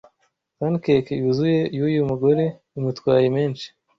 Pancake Yuzuye yuyu mugore imutwaye menshi